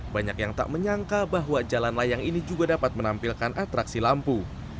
banyak yang tak menyangka bahwa jalan layang ini juga dapat menampilkan atraksi lampu